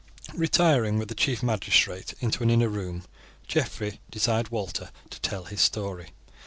Retiring with the chief magistrate into an inner room, Geoffrey desired Walter to tell his story.